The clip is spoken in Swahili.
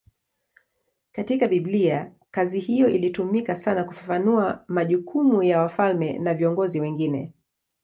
Katika Biblia kazi hiyo ilitumika sana kufafanua majukumu ya wafalme na viongozi wengine.